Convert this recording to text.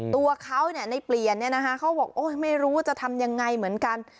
ตัวเขาเนี่ยในเปลี่ยนเนี่ยนะคะเขาบอกโอ้ยไม่รู้ว่าจะทำยังไงเหมือนกัน